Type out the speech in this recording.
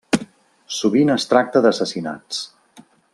Sovint es tracta d'assassinats.